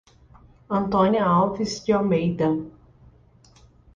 Antônia Alves de Almeida